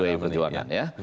pdi perjuangan ya